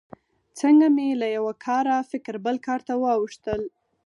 څنګه مې له یوه کاره فکر بل کار ته واوښتل.